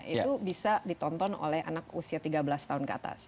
itu bisa ditonton oleh anak usia tiga belas tahun ke atas